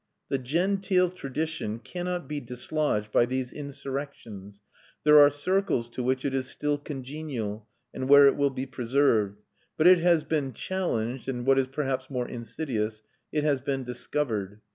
The genteel tradition cannot be dislodged by these insurrections; there are circles to which it is still congenial, and where it will be preserved. But it has been challenged and (what is perhaps more insidious) it has been discovered.